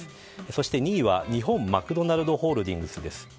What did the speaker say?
そして２位は日本マクドナルドホールディングスです。